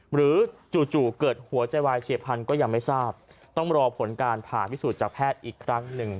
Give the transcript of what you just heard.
จู่เกิดหัวใจวายเฉียบพันธุ์ก็ยังไม่ทราบต้องรอผลการผ่าพิสูจน์จากแพทย์อีกครั้งหนึ่ง